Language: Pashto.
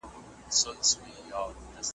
پوهنتون د زده کړو مرکز دی.